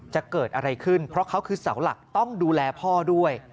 จะเกิดอะไรขึ้นเพราะเขาคือเสาหลักต้องดูแลพ่อด้วย